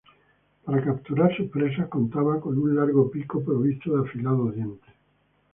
Para capturar sus presas contaba con un largo pico provisto de afilados dientes.